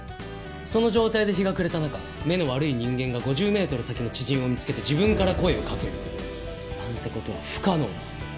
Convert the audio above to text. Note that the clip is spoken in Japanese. その状態で日が暮れた中目の悪い人間が５０メートル先の知人を見つけて自分から声をかけるなんて事は不可能だ。